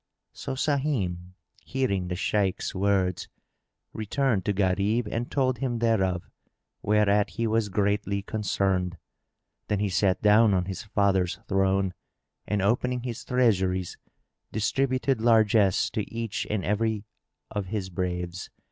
So Sahim, hearing the Shaykh's words, returned to Gharib and told him thereof, whereat he was greatly concerned. Then he sat down on his father's throne and, opening his treasuries, distributed largesse to each and every of his braves.